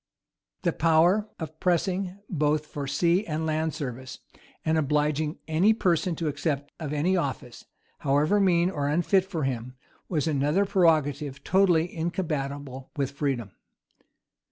The power of pressing, both for sea and land service, and obliging any person to accept of any office, however mean or unfit for him, was another prerogative totally incompatible with freedom.